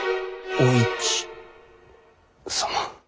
お市様？